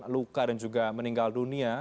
luka dan juga meninggal dunia